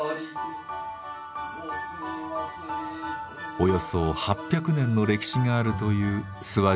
およそ８００年の歴史があるという諏訪神社。